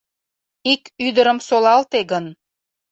Ик ӱдырым солалте гын